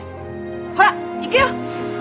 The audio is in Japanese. ほら行くよ！